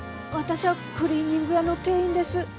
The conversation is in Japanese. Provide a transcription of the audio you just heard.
私ゃあクリーニング屋の店員です。